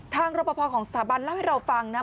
รอปภของสถาบันเล่าให้เราฟังนะ